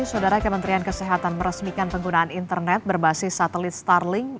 saudara kementerian kesehatan meresmikan penggunaan internet berbasis satelit starling